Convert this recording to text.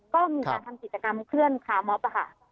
ก็มีการทำกิจกรรมเคลื่อนคาม๊อป